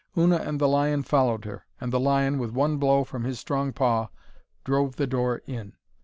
Una and the lion followed her, and the lion, with one blow from his strong paw, drove the door in.